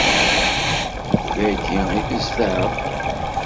Dagi i tezdeɣ?